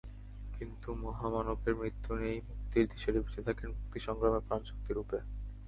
কিন্তু মহামানবের মৃত্যু নেই, মুক্তির দিশারী বেঁচে থাকেন মুক্তি সংগ্রামের প্রাণশক্তিরূপে।